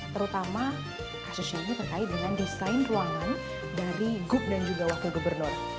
terutama kasus ini terkait dengan desain ruangan dari gub dan juga wakil gubernur